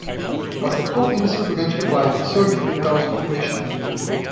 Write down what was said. As the coal industry began to decline, so did the town's population.